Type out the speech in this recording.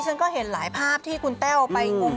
ฉันก็เห็นหลายภาพที่คุณแต้วไปงม